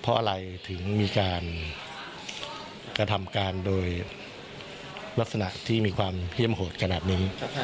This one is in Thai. เพราะอะไรถึงมีการกระทำการโดยลักษณะที่มีความเฮี่ยมโหดขนาดนี้